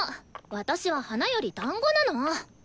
私は花より団子なの！